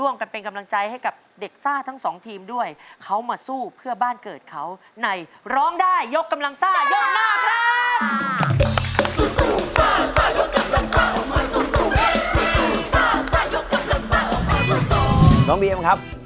น้องบีเอ็มครับรู้สึกยังไงบ้างครับ